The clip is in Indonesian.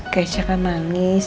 kece kan nangis